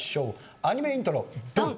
アニメイントロドン！